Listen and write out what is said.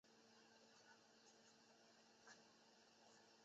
传伯爵至赵之龙。